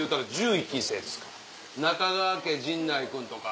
中川家陣内君とか。